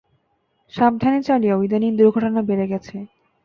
সাবধানে চালিও, ইদানীং দূর্ঘটনা বেড়ে গেছে।